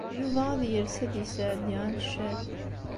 Yuba ad yales ad d-yesɛeddi aneccaf.